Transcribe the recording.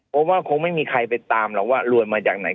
ผมว่าคงไม่มีใครไปตามเราว่ารวยมาจากไหน